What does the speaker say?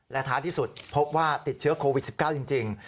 และท้ายที่สุดพบว่าติดเชื้อโควิด๑๙จริง